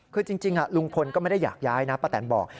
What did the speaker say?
คือจริงลุงพลก็ไม่ได้อยากย้ายนะป้าแตนบอก